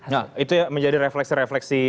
nah itu yang menjadi refleksi refleksi